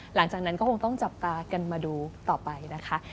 หลังจากนั้นก็คงต้องจับตากันมาดูต่อไปนะคะ